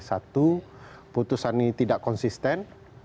satu putusan ini tidak konsisten